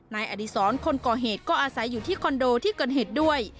นายอดีศรคนก่อเหตุก็อาศัยอยู่ที่คอนโดที่เกิดเหตุด้วย